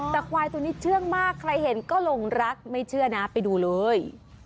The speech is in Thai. แต่ควายตัวนี้เชื่องมากใครเห็นก็หลงรักไม่เชื่อนะไปดูเลย